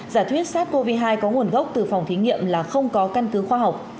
giả thuyết sát covid hai có nguồn gốc từ phòng thí nghiệm là không có căn cứ khoa học